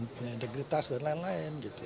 punya integritas dan lain lain gitu